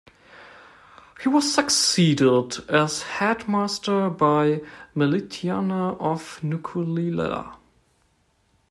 He was succeeded as headmaster by Melitiana of Nukulaelae.